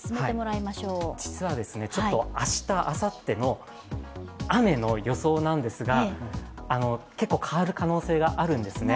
実は明日、あさっての雨の予想なんですが結構変わる可能性があるんですね。